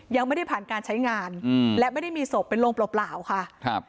ยังไม่ได้ผ่านการใช้งานอืมและไม่ได้มีศพเป็นโรงเปล่าเปล่าค่ะครับ